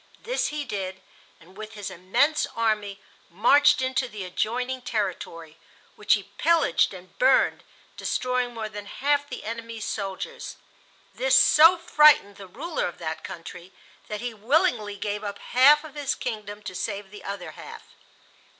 This he did, and with his immense army marched into the adjoining territory, which he pillaged and burned, destroying more than half the enemy's soldiers. This so frightened the ruler of that country that he willingly gave up half of his kingdom to save the other half.